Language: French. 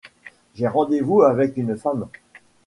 J’ai rendez-vous avec une femme.